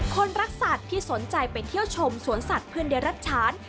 คนรักสัตว์ที่สนใจไปเที่ยวชมสวนสัตว์เพื่อนได้รับฉาน